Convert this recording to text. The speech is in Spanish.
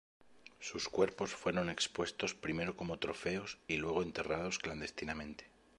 Sus cuerpos fueron expuestos primero como trofeos y luego enterrados clandestinamente.